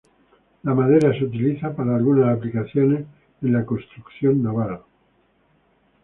La madera se utiliza para algunas aplicaciones en la construcción naval.